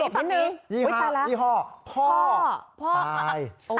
ฝั่งนี้ฝั่งนี้ยี่ห้อพ่อตาย